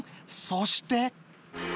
そして